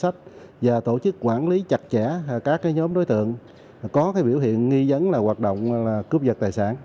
các nhóm đối tượng có biểu hiện nghi dấn hoạt động cướp giật tài sản